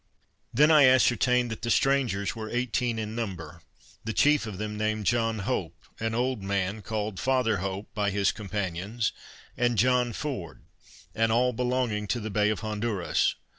Then I ascertained, that the strangers were eighteen in number, the chief of them named John Hope, an old man, called Father Hope, by his companions, and John Ford, and all belonging to the Bay of Honduras.